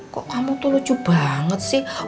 kok kamu tuh lucu banget sih